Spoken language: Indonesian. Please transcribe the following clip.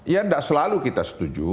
yang nggak selalu kita setuju